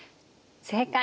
正解。